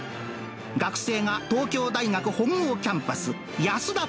学生が東京大学本郷キャンパスやすだ